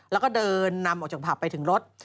แล้วก็เดินนำออกจากผับไปถึงรถ